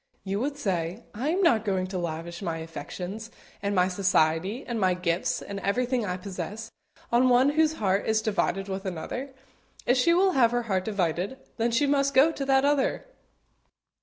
you would say; "I am not going to lavish my affections, and my society, and my gifts, and everything I possess, on one whose heart is divided with another. If she will have her heart divided, then she must go to that other."